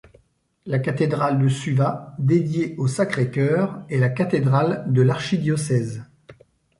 La cathédrale de Suva, dédiée au Sacré-Cœur, est la cathédrale de l'archidiocèse.